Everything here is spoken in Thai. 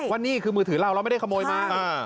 ว่านี่คือมือถือเราเราไม่ได้ขโมยมา